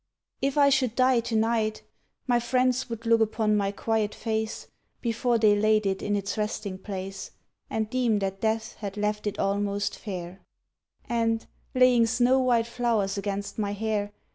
If I should die to night, My friends would look upon my quiet face Before they laid it in its resting place, And deem that death had left it almost fair; And, laying snow white flowers against my hair.